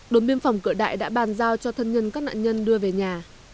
đồn biên phòng cửa đại đã bàn giao cho thân nhân các nạn nhân đưa về nhà